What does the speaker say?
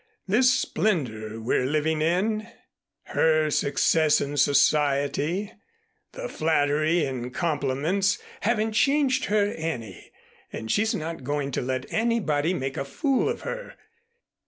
This splendor we're living in, her success in society, the flattery and compliments haven't changed her any. And she's not going to let anybody make a fool of her.